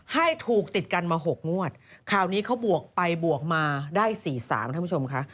ให้ถูกติดกันมา๖งวดคราวนี้เขาบวกไปบวกมาได้๔๓ท่านผู้ชมค่ะ